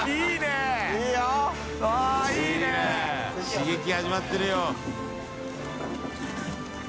刺激始まってるよ。